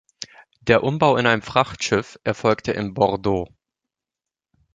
Der Umbau in ein Frachtschiff erfolgte in Bordeaux.